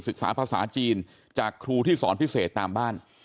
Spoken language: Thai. ศึกษาภาษาจีนจากครูที่สอนพิเศษตามบ้าน